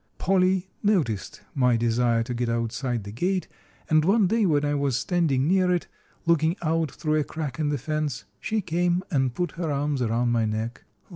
Polly noticed my desire to get outside the gate, and one day when I was standing near it, looking out through a crack in the fence, she came and put her arms around my neck.